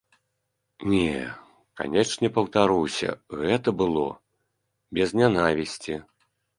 Не, канечне, паўтаруся гэта было без нянавісці.